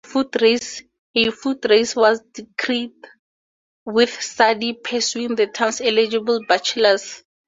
A foot race was decreed, with Sadie pursuing the town's eligible bachelors.